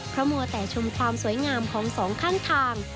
เพราะมัวแต่ชมความสวยงามของสองข้างทาง